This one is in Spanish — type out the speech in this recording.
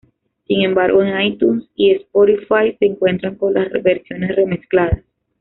Sin embargo, en iTunes y Spotify se encuentra con las versiones remezcladas.